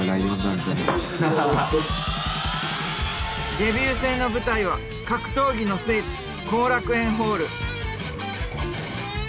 デビュー戦の舞台は格闘技の聖地後楽園ホール。